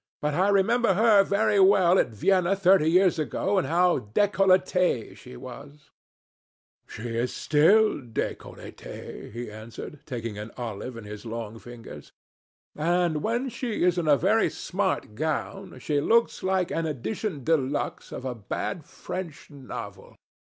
But I remember her very well at Vienna thirty years ago, and how décolletée she was then." "She is still décolletée," he answered, taking an olive in his long fingers; "and when she is in a very smart gown she looks like an édition de luxe of a bad French novel.